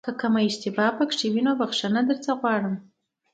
که کومه اشتباه پکې وي نو بښنه درڅخه غواړم.